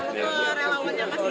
ke relawannya mas gibran